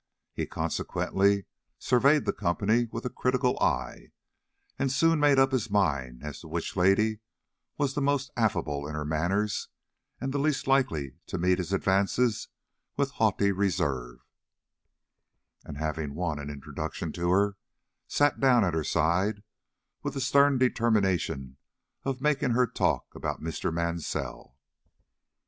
He consequently surveyed the company with a critical eye, and soon made up his mind as to which lady was the most affable in her manners and the least likely to meet his advances with haughty reserve, and having won an introduction to her, sat down at her side with the stern determination of making her talk about Mr. Mansell.